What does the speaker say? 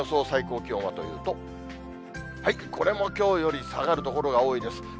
最高気温はというと、これもきょうより下がる所が多いです。